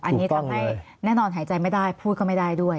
อันนี้ทำให้แน่นอนหายใจไม่ได้พูดก็ไม่ได้ด้วย